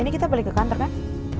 ini kita balik ke kantor kan